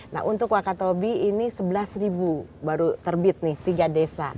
nah untuk wakatobi ini sebelas ribu baru terbit nih tiga desa